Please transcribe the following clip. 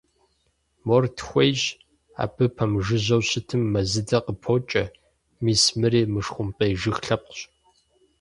Мор тхуейщ, абы пэмыжыжьэу щытым мэзыдэ къыпокӀэ, мис мыри мышхумпӀей жыг лъэпкъщ.